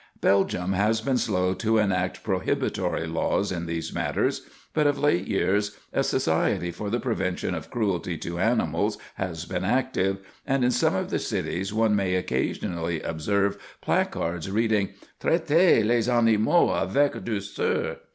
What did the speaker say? Belgium has been slow to enact prohibitory laws in these matters, but of late years a Society for the Prevention of Cruelty to Animals has been active, and in some of the cities one may occasionally observe placards reading, "Traitez les animaux avec douceur."